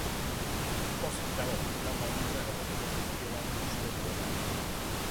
Pozik dago, lan baldintzak aldatuko zaizkiola uste duelako.